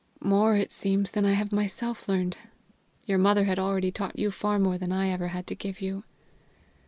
"More, it seems, than I have myself learned. Your mother had already taught you far more than ever I had to give you!"